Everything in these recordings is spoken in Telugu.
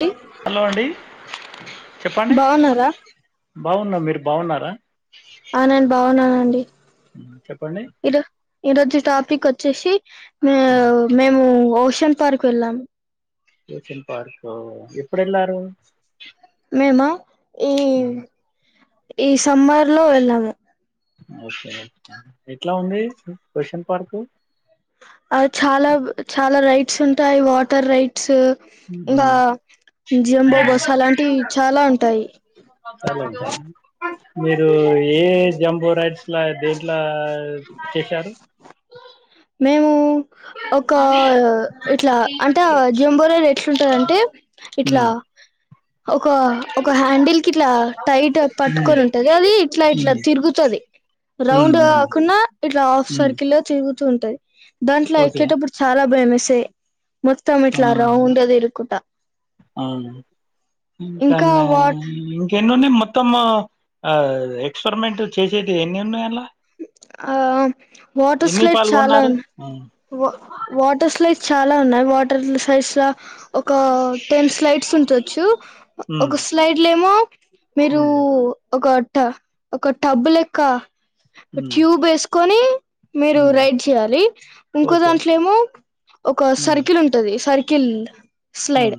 డి హలో అండి చెప్పండి బాగున్నారా బావున్నాం మీరు బావున్నారా అ నేను బావున్నానండి ఉమ్, చెప్పండి ఇదో ఈ రోజు టాపిక్ వొచ్చేసి మే మేము ఓషన్ పార్క్ వెళ్ళాం ఓషన్ పార్కు ఎప్పుడెళ్ళారు మేమా ఈ ఉమ్ ఈ సమ్మర్ లో వెళ్ళాము ఓకే ఓకే ఎట్లా ఉంది ఓషన్ పార్కు అ చాలా చాలా రైడ్స్ ఉంటాయి వాటర్ రైడ్స్ ఉమ్, బా ఉమ్, జంబో బస్ అలాంటియి చాలా ఉంటాయి సాలెంత మీరు ఏ ఏ జంబో రైడ్స్ ఇట్లా దేంట్లా చేశారు మేము ఒక ఇట్లా అంటే అ జెంబోరైడ్ ఎట్లుంటదంటే ఉమ్, ఇట్లా ఒక ఒక హ్యాండిల్ కి ఇట్లా టైట్ ఉమ్, పట్టుకొని ఉంటది అది ఇట్లా ఉమ్, ఇట్లా తిరుగుతది ఉమ్, రౌండ్ ఉమ్, కాకున్నా ఇట్లా హాఫ్ ఉమ్, సర్కిలు తిరుగుతూ ఉంటది దాంట్లో ఓకే ఎక్కేటప్పుడు చాలా భయమేస్తది మొత్తం ఇట్లా రౌండ్ గా తిరుక్కుటా అవును [unintelligible] ఇంకా వాట్ ఎకెన్నునై మొత్తమూ ఆ ఎక్స్పెరిమెంటు చేసేది ఎన్నునయి అన్లా. ఆ వాటర్ స్లైడ్ చాలా పాల్గొన్నారు ఉన్నాయ్ ఉమ్ వ వాటర్ స్లైడ్స్ చాలా ఉన్నాయ్ వాటర్ స్లైడ్స్ లా. ఒకా టెన్ స్లైడ్స్ ఉంచచ్చూ. ఉమ్ ఒక స్లైడ్లేమో మీరూ ఉమ్ ఒక ట ఒక టబ్బు లెక్కా. ఒక ఉమ్ ట్యూబ్ ఏసుకొనీ మీరు ఉమ్, రైడ్ చేయాలి ఇంకో ఓకే దాంట్లేమో. ఒకా ఉమ్ సర్కిల్ ఉం టది సర్కిల్ స్లైడ్ ఉమ్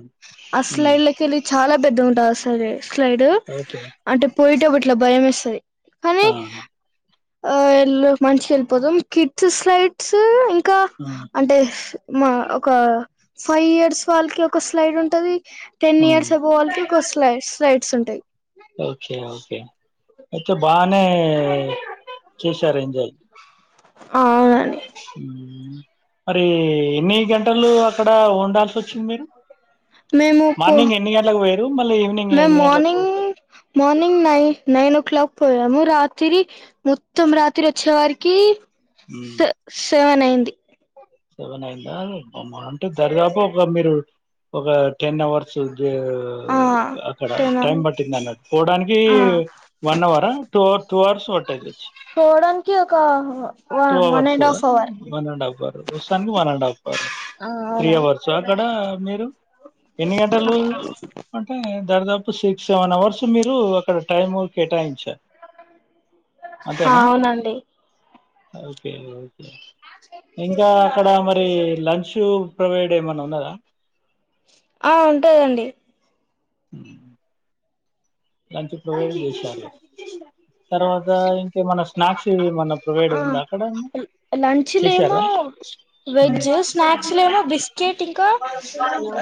ఆ ఉమ్ స్లైడ్లకెళ్ళి చాలా పెద్దగుంటది అస్సలే. స్లైడు ఓకే అంటే పోయేటపుడ్ ఇట్లా భయమేస్తది. ఆం ఆ ఎల్లు మంచిగ ఎళ్ళిపోతం కిడ్సు స్లైడ్సూ ఇంకా ఆ అంటే. మా ఒకా ఫై ఇయర్స్ వాళ్ళకి ఒక స్లైడ్ ఉంటది. టెన్ ఆ ఇయర్స్ అబొవె వాళ్ళకి ఒక స్లై స్లైడ్స్ ఉంటాయి. ఓకే ఓకే అయితే బానే చేశారు ఎంజాయ్. అవునండి ఉమ్ మరీ ఎన్నీ గంటలూ అక్కడా ఉండాల్సి వచ్చింది మీరు. మేము పో మార్నింగ్ ఎన్ని గంటలకు పోయిరు మళ్ళీ ఈవినింగ్ మేము ఎన్ని గంటలకు. Morning morning nine nine o'clock పోయాము రాతిరి. మొత్తం రాత్రి వచ్చే వరికీ ఊ సెవెన్ అయింది సెవెన్ అయిందా అమ్మా అంటే దర్దాపు ఒక మీరూ. ఒకా టెన్ అవర్సు జా ఆ అక్కడా టెన్ టైం పట్టిందన్నట్ పోడానికీ. ఆ వన్ అవరా టూ అవర్స్ టూ అవర్స్ వట్టిందొచ్చ్ పోవడానికి ఒకా టూ అవర్స్ ఆ వన్ అండ్ హఫ్ అవర్ వస్తానికి వన్ అండ్ హాఫ్ అవర్ ఆ త్రీ అవునండి అవర్. సో అక్కడా మీరు ఎన్ని గంటలూ అంటే దర్దాపు సిక్స్ సెవెన్ అవర్స్ మీరు అక్కడ టైము కేటాయించార్. ఆవునండి ఓకే ఓకే ఇంకా అక్కడా మరి రీ లంచూ ప్రొవైడ్ ఏమన్న ఉన్నదా. ఆ ఉంటదండి లంచ్ ప్రొవైడ్ చేషినారు తర్వాతా ఇం కేమన్నా స్నాక్స్ ఇవేమన్నా ప్రొవైడ్ ఆ వుందా అక్కడా ఎమ్ చేషారా. వెజ్జు స్నాక్స్ లో ఏమో బిస్కెట్ ఇంకా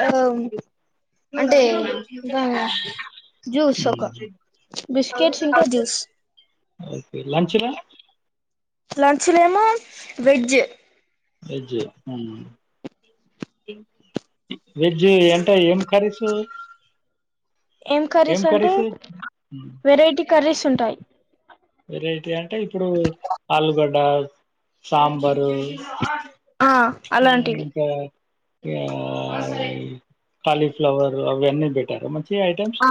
ఆ అంటే ఇగా జూస్ ఒకా బిస్కెట్స్ ఇంకా జూస్. ఓకె లంచ్ లా లంచ్ లేమో వెజ్ వెజ్ హ్మ్ వెజ్ ఎంటా ఏం కర్రీసూ ఏం కర్రీస్ అంటే వెరైటీ కర్రీస్ ఉంటాయ్. వెరైటి అంటే ఇప్పుడు ఆలుగడ్డ సాంబరుఊ ఆ అలాంటివి ఇంకా కాలీఫ్లవరు అవి అన్నీ పెట్టారా మంచి ఐటమ్స్ ఆ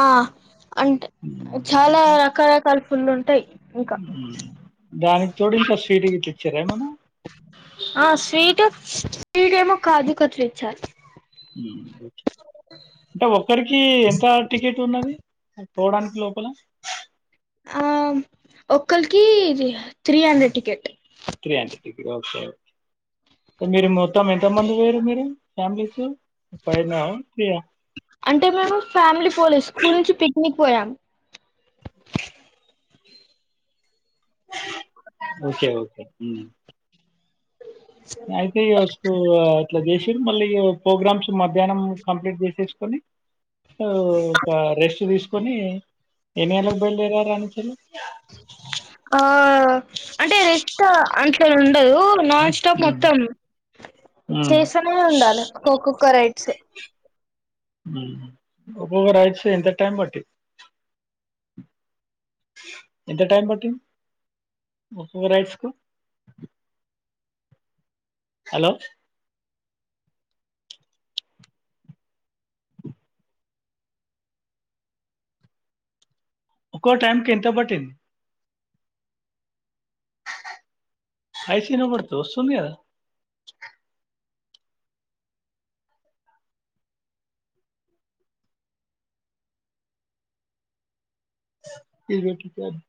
ఆ అంటె చాలా రకరకాల ఫుల్లు ఉంటయ్ దానికి తోడు ఇంక స్వీట్ గిట్ల ఇచ్చిరా ఎమన్న ఆ స్వీట్ స్వీట్ ఏమో కాజు కట్ల్ ఇచ్చారు మ్ అంటె ఒక్కరికి ఎంతా టికెట్ ఉన్నది అది పోడానికి లోపల ఆ ఒక్కళికీ ఇది three hundred ticket three hundred ticket okay okay మీరు మొత్తం ఎంతమంది వొయిరు మీరు ఫ్యామిలీస్ ఫై నా త్రి అ అంటె మేము ఫ్యామిలీ పోలేదు స్కూల్ నుంచి పిక్నిక్ పోయాం ఓకే ఓకే మ్ అయితే ఇగ ఫస్టు ఇట్ల చేషిరు మళ్ళీ ఇగ ప్రోగ్రామ్స్ మధ్యాహ్నం కంప్లీట్ చేసేసుకొని ఓ ఒక రెస్ట్ తీసుకొని ఎన్ని గంటలకు బయలుదేరారు ఆనిచెళ్ళి ఆ అంటే రిస్క్ అతుండదు నాన్ష్ టాప్ మొత్తం చేస్తనే ఉండాలి కో కో కో రైడ్స్ హ్మ్ ఒక్కొక్క రైడ్స్ ఎంత టైం బట్టి ఎంత టైమ్ బట్టింది ఒక్కొక్క రైడ్స్ కు హలో ఒక్కో టైం కి ఎంత పట్టింది ఐషిన బడుతు ఒస్తుంది గదా ఈలు బెట్టితండ్రు